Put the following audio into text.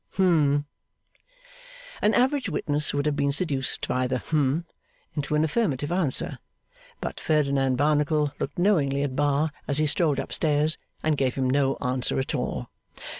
Humph?' An average witness would have been seduced by the Humph? into an affirmative answer, But Ferdinand Barnacle looked knowingly at Bar as he strolled up stairs, and gave him no answer at all.